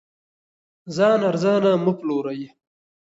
ځان ارزانه مه پلورئ.